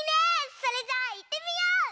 それじゃあいってみよう！